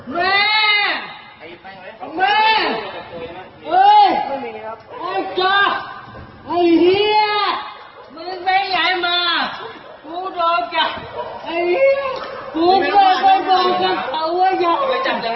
แม่แม่เฮ้ยโอ๊ยจ๊ะไอ้เฮียมึงเป็นไงมากูโด่งจ๊ะไอ้เฮียกูโด่งไม่โด่งกันเขาอะจ๊ะ